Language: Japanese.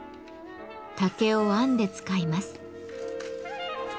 竹を編んで使います。